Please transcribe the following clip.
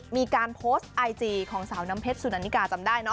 มีการโพสต์ไอจีของสาวน้ำเพชรสุนานิกาจำได้เนอ